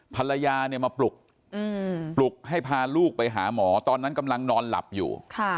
ภรรยาเนี่ยมาปลุกปลุกให้พาลูกไปหาหมอตอนนั้นกำลังนอนหลับอยู่